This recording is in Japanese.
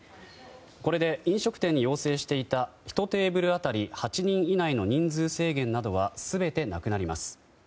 これで飲食店に要請していた１テーブル当たり８人以内の人数制限などは全てなくなります。